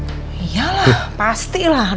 iya lah pastilah